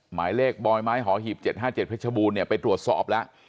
หมายเลขบอยไม้หอหีบเจ็ดห้าเจ็ดเพชรบูนเนี้ยไปตรวจสอบแล้ว